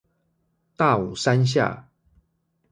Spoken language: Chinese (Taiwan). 大武山下